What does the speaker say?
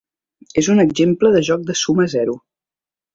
És un exemple de joc de suma zero.